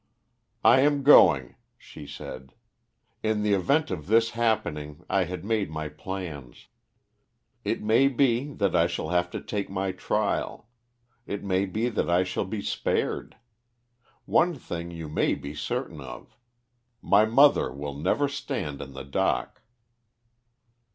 "I am going," she said. "In the event of this happening, I had made my plans. It may be that I shall have to take my trial; it may be that I shall be spared. One thing you may be certain of my mother will never stand in the dock."